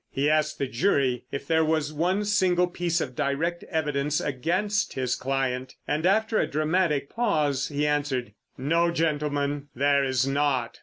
He asked the jury if there was one single piece of direct evidence against his client. And, after a dramatic pause, he answered: "No, gentlemen, there is not!